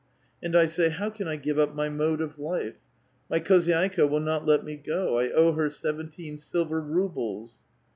And I say, 'How can I K^ve up my mode of life? My khozydika will not let me go. A owe her seventeen silver rubles.'